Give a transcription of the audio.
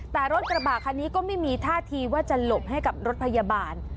แต่รถกระบะคันนี้ก็ไม่มีท่าทีว่าจะหลบให้กับรถพยาบาล